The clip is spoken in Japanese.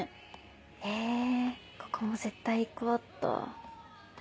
へぇここも絶対行こうっと。